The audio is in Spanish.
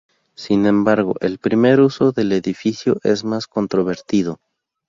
Sin embargo, el primer uso del edificio es más controvertido.